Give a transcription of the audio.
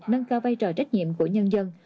nâng cao vai trò trách nhiệm của nhân dân